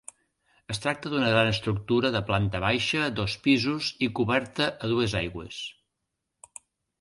Es tracta d'una gran estructura de planta baixa, dos pisos i coberta a dues aigües.